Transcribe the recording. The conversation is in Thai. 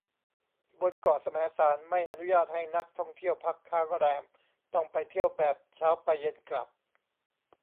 บนเกาะแสมสารไม่อนุญาตให้นักท่องเที่ยวพักค้างแรม ต้องไปเที่ยวแบบเช้าไปเย็นกลับ